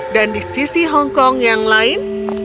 dan di sisi hong kong yang lain